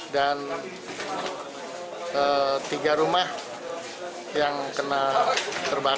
dan tiga rumah yang kena terbakar